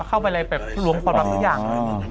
เข้าไปอะไรแบบล้วงความรับทุกอย่าง